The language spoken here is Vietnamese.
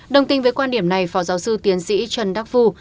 đồng tình với quan điểm này phó giáo sư tiến sĩ trần đắc phu